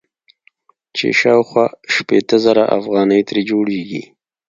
چې شاوخوا شپېته زره افغانۍ ترې جوړيږي.